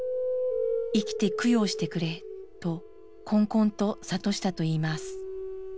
生きて供養してくれ」と懇々と諭したといいます。